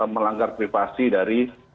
melanggar privasi dari